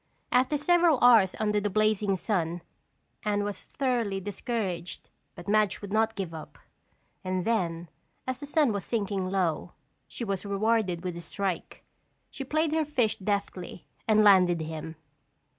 After several hours under the blazing sun Anne was thoroughly discouraged but Madge would not give up. And then as the sun was sinking low, she was rewarded with a strike. She played her fish deftly and landed him.